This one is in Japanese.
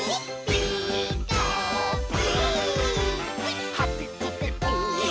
「ピーカーブ！」